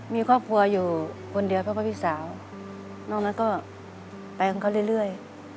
มีครอบครัวอยู่คนเดียวเพราะว่าพี่สาวนอกนั้นก็ไปของเขาเรื่อย